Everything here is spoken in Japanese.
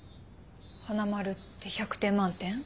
花丸って１００点満点？